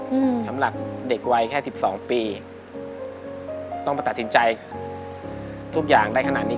อืมสำหรับเด็กวัยแค่สิบสองปีต้องมาตัดสินใจทุกอย่างได้ขนาดนี้